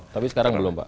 tapi sekarang belum pak